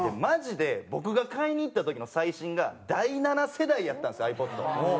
マジで僕が買いに行った時の最新が第七世代やったんですよｉＰｏｄ。